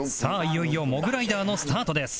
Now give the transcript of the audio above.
いよいよモグライダーのスタートです